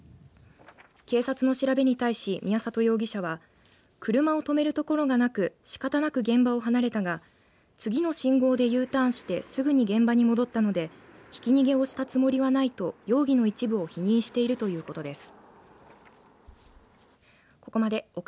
警察の調べに対し宮里容疑者は車をとめるところがなくしかたなく現場を離れたが次の信号でＵターンしてすぐに現場に戻ったのでひき逃げをしたつもりはないと容疑の一部を否認しているということです。